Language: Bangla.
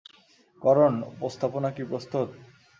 করণ, উপস্থাপনা কি প্রস্তুত?